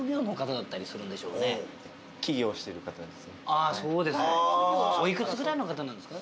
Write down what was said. ああそうですか。